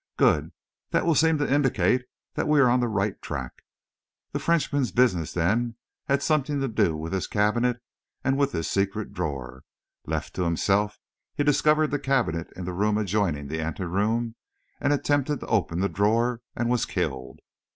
"Good! That would seem to indicate that we are on the right track. The Frenchman's business, then, had something to do with this cabinet, and with this secret drawer. Left to himself, he discovered the cabinet in the room adjoining the ante room, attempted to open the drawer, and was killed."